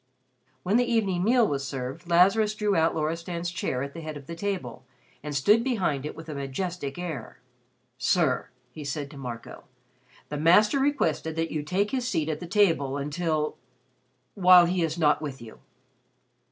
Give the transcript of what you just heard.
When the evening meal was served, Lazarus drew out Loristan's chair at the head of the table and stood behind it with a majestic air. "Sir," he said to Marco, "the Master requested that you take his seat at the table until while he is not with you."